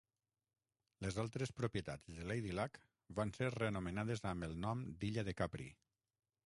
Les altres propietats de Lady Luck van ser reanomenades amb el nom d'Illa de Capri.